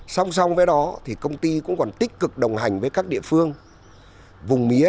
song song với đó thì công ty cũng còn tích cực đồng hành với các địa phương vùng mía